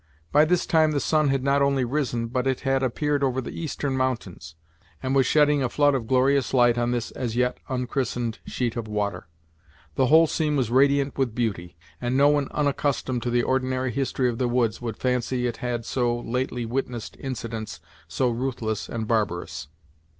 By this time the sun had not only risen, but it had appeared over the eastern mountains, and was shedding a flood of glorious light on this as yet unchristened sheet of water. The whole scene was radiant with beauty; and no one unaccustomed to the ordinary history of the woods would fancy it had so lately witnessed incidents so ruthless and barbarous.